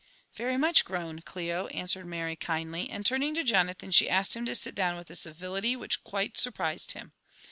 " Very much grown, Clio," answered Mary kihdly, and turning to Jonathan she asked him to sit down with a civility which quite sur prised him.